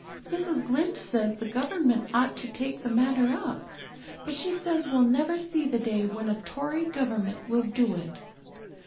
Mrs. Lynde says the Government ought to take the matter up, but she says we'll never see the day when a Tory Government will do it.